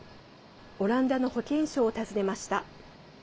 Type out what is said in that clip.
オランダの保健省を訪ねました。